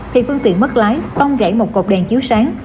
thì phương tiện mất lái tông gãy một cột đèn chiếu sáng